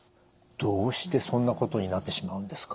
どうしてそんなことになってしまうんですか？